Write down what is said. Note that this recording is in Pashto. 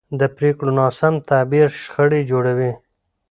د پرېکړو ناسم تعبیر شخړې جوړوي